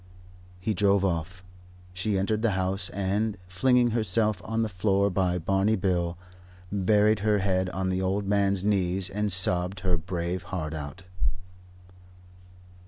He drove off. She entered the house, and, flinging herself on the floor by Barney Bill, buried her head on the old man's knees and sobbed her brave heart out.